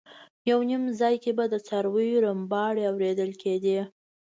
یو نیم ځای کې به د څارویو رمباړې اورېدل کېدې.